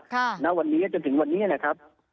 ณวันนี้จนถึงวันนี้นะครับ